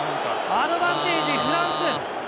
アドバンテージ、フランス。